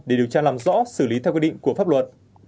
để điều tra làm rõ xử lý theo quy định của pháp luật